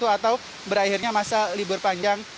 atau berakhirnya masa libur panjang